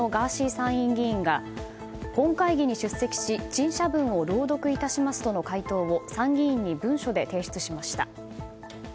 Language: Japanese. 参院議員が本会議に出席し陳謝文を朗読いたしますとの回答を参議院に文書で提出しました。